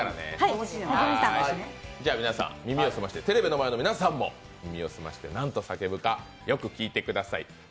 皆さん、耳を澄ませて、テレビの前の皆さんも耳を澄ませてなんと叫ぶかよく聞いてください。